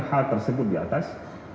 hal tersebut di atas